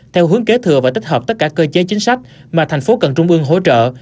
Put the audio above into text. theo hướng kế thừa và tích hợp tất cả cơ chế chính sách mà thành phố cần trung ương hỗ trợ